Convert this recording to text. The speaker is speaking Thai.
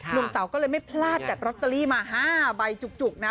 เต๋าก็เลยไม่พลาดจัดลอตเตอรี่มา๕ใบจุกนะ